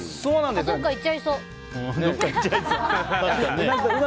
どっかいっちゃいそう。